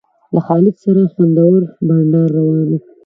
له خالد سره خوندور بنډار روان و.